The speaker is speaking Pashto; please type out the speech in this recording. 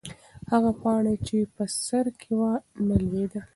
هغه پاڼه چې په سر کې وه نه لوېده.